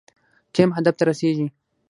ټیم هدف ته رسیږي